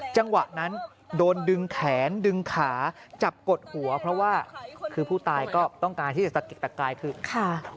จังหวะนั้นโดนดึงแขนดึงขาจับกดหัวเพราะว่าคือผู้ตายก็ต้องการที่จะสะกิดตะกายคือค่ะ